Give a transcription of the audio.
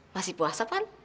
masih puasa pan